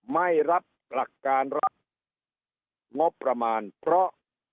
ไม่รับหลักการรับงบประมาณเพราะ